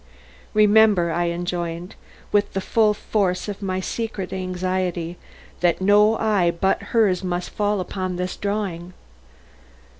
"Remember," I enjoined, with the full force of my secret anxiety, "that no eye but hers must fall upon this drawing.